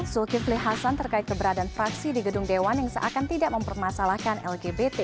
zulkifli hasan terkait keberadaan fraksi di gedung dewan yang seakan tidak mempermasalahkan lgbt